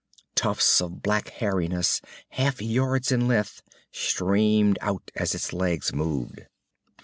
Tufts of black hairiness, half yards in length, streamed out as its legs moved.